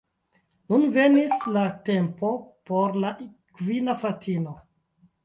Nun venis la tempo por la kvina fratino.